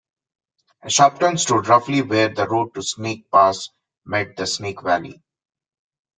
Ashopton stood roughly where the road to the Snake Pass met the Snake valley.